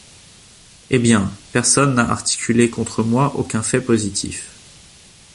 Eh bien, personne n'a articulé contre moi aucun fait positif.